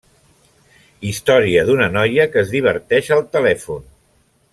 Història d'una noia que es diverteix al telèfon.